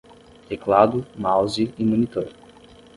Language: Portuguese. Teclado, mouse e monitor.